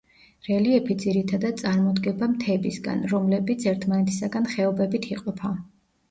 რელიეფი ძირითადად წარმოდგება მთებისგან, რომლებიც ერთმანეთისაგან ხეობებით იყოფა.